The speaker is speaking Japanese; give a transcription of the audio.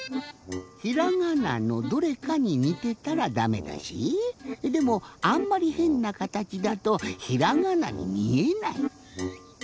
ひらがなのどれかににてたらダメだしでもあんまりヘンなかたちだとひらがなにみえない。